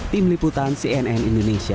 tim liputan cnn indonesia